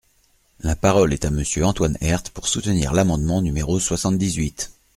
La parole est à Monsieur Antoine Herth, pour soutenir l’amendement numéro soixante-dix-huit.